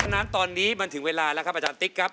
นั้นตอนนี้มันถึงเวลาแล้วครับอาจารย์ติ๊กครับ